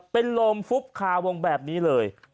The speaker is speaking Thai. เป็นลมฟุบคาวงแบบนี้เลย